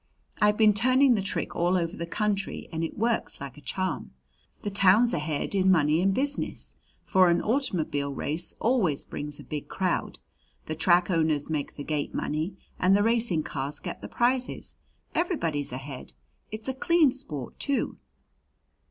I've been turning the trick all over the country and it works like a charm. The town's ahead in money and business, for an automobile race always brings a big crowd; the track owners make the gate money and the racing cars get the prizes. Everybody's ahead. It's a clean sport too."